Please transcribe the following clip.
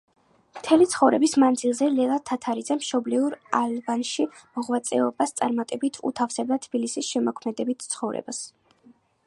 მთელი ცხოვრების მანძილზე, ლელა თათარაიძე მშობლიურ ალვანში მოღვაწეობას წარმატებით უთავსებდა თბილისის შემოქმედებით ცხოვრებას.